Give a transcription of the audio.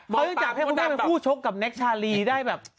เขายังจากให้พูดโชคกับแน็กชาลีได้แบบ